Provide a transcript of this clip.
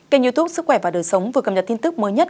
kênh youtube sức khỏe và đời sống vừa cập nhật tin tức mới nhất